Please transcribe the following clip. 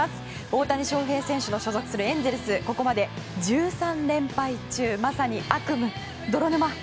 大谷翔平選手の所属するエンゼルス、ここまで１３連敗中まさに悪夢、泥沼。